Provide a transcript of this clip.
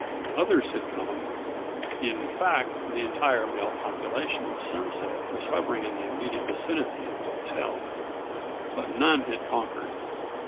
Others had come in fact, the entire male population of Sunset was hovering in the immediate vicinity of the hotel but none had conquered.